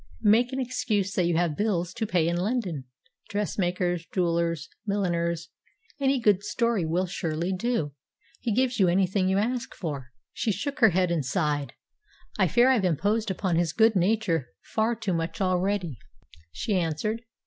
Make an excuse that you have bills to pay in London dressmakers, jewellers, milliners any good story will surely do. He gives you anything you ask for." She shook her head and sighed. "I fear I've imposed upon his good nature far too much already," she answered.